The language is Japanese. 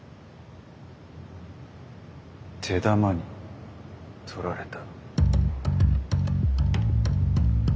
手玉に取られた。